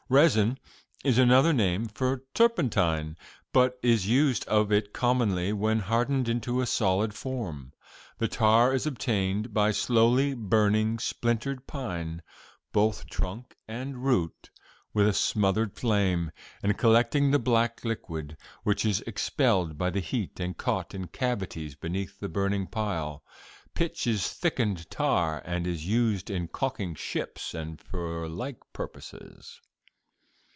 'Resin' is another name for turpentine, but is used of it commonly when hardened into a solid form. The tar is obtained by slowly burning splintered pine, both trunk and root, with a smothered flame, and collecting the black liquid, which is expelled by the heat and caught in cavities beneath the burning pile. Pitch is thickened tar, and is used in calking ships and for like purposes."